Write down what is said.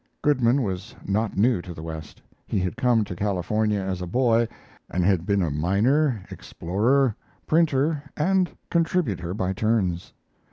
Goodman was not new to the West. He had come to California as a boy and had been a miner, explorer, printer, and contributor by turns.